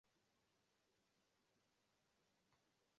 karibu sana katika makala yangu gurundumu la uchumi